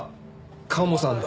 鴨さんだ。